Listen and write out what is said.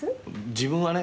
「自分はね